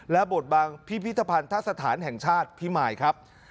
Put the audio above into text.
และบทบังพิพิธภัณฑสถานแห่งชาติพิมายครับ